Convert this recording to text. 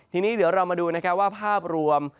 ทีนี้เดี๋ยวเรามาดูว่าภาพรวม